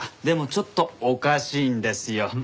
でもちょっとおかしいんですよ。